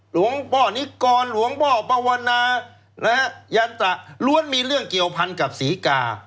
หลวงพ่อนิกรหลวงพ่อปวนาและยันตระล้วนมีเรื่องเกี่ยวพันกับศรีกา